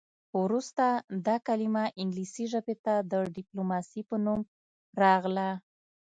وروسته دا کلمه انګلیسي ژبې ته د ډیپلوماسي په نوم راغله